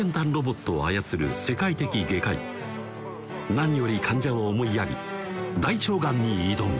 何より患者を思いやり大腸がんに挑む